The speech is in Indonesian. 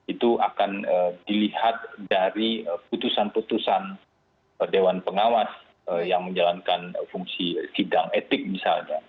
itu akan dilihat dari putusan putusan dewan pengawas yang menjalankan fungsi sidang etik misalnya